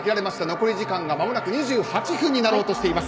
残り時間がまもなく２８分になろうとしています。